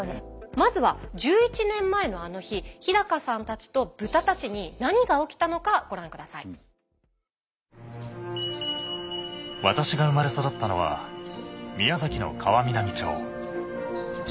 まずは１１年前のあの日日さんたちと豚たちに何が起きたのかご覧下さ私が生まれ育ったのは宮崎の川南町。